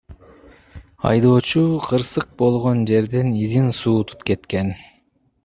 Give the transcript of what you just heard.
Айдоочу кырсык болгон жерден изин суутуп кеткен.